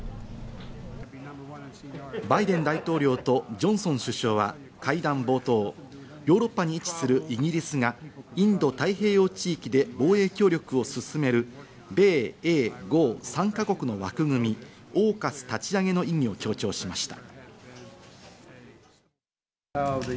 バイデン大統領とジョンソン首相は会談冒頭、ヨーロッパに位置するイギリスがインド太平洋地域で防衛協力を進める米英豪３か国の枠組み・オーカス立ち上げの意義を強調しました。